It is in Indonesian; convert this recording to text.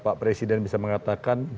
pak presiden bisa mengatakan